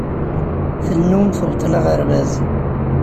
Tennum tbeṭṭel aɣerbaz.